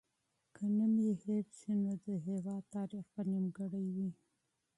که نوم یې هېر سي، نو د هېواد تاریخ به نیمګړی وي.